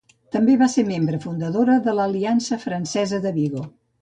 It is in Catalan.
També va ser membre fundadora de l'Aliança Francesa de Vigo.